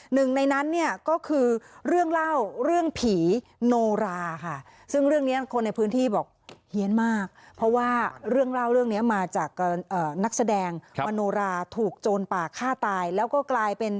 หนึ่งในนั้นก็คือเรื่องเล่าเรื่องผีโนราค่ะ